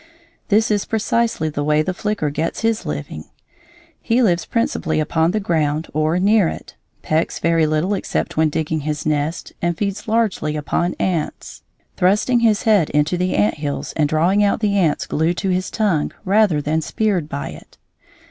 This is precisely the way the flicker gets his living. He lives principally upon the ground or near it, pecks very little except when digging his nest, and feeds largely upon ants, thrusting his head into the ant hills and drawing out the ants glued to his tongue rather than speared by it.